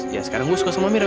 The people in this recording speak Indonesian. ya sekarang gue suka sama mira